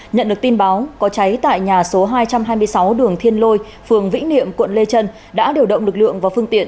nhận được tin báo có cháy tại nhà số hai trăm hai mươi sáu đường thiên lôi phường vĩnh niệm quận lê trân đã điều động lực lượng và phương tiện